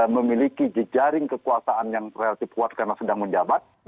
memiliki jejaring kekuasaan yang relatif kuat karena sedang menjabat